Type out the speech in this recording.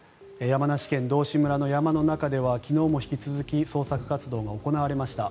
山梨県道志村の山の中では昨日も引き続き捜索活動が行われました。